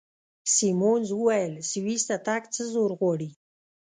سیمونز وویل: سویس ته تګ څه زور غواړي؟